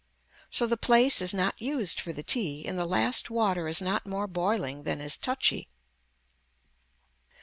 So the place is not used for the tea and the last water is not more boiling than is touchy.